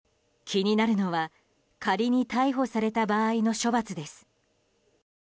気になるのは仮に逮捕された場合の処罰です。